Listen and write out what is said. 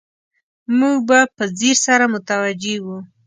موږ به په ځیر سره متوجه وو.